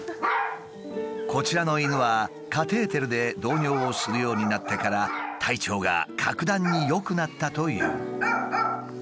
こちらの犬はカテーテルで導尿をするようになってから体調が格段に良くなったという。